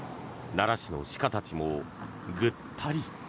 奈良市の鹿たちもぐったり。